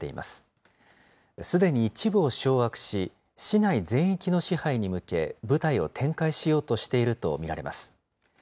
すでに一部を掌握し、市内全域の支配に向け、部隊を展開しようとしていると見られます。